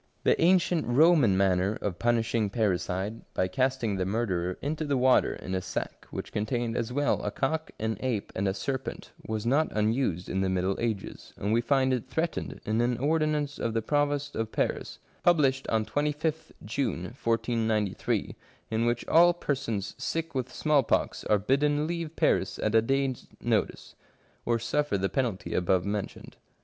The ancient Roman manner of punishing parricide, by casting the murderer into the water in a sack which contained as well a cock, an ape, and a serpent, was not unused in the middle ages, and we find it threatened in an ordinance of the Provost of Paris, published on 25th June 1493, in which all persons sick with smallpox are bidden leave Paris at a day's notice, or suffer the penalty above mentioned.